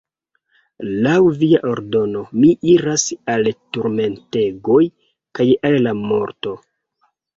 Laŭ via ordono mi iras al turmentegoj kaj al la morto!